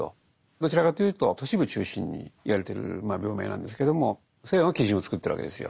どちらかというと都市部中心に言われてる病名なんですけども西欧が基準を作ってるわけですよ。